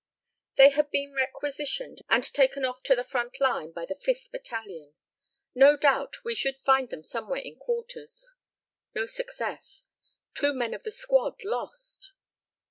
They had been requisitioned and taken off to the front line by the 5th Battalion. No doubt we should find them somewhere in quarters. No success. Two men of the squad lost!